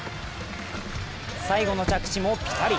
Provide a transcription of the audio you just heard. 最後の着地もピタリ。